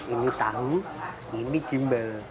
ini tahu ini gimbal